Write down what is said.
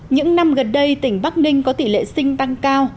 những năm gần đây tỉnh bắc ninh có tỷ lệ sinh tăng cao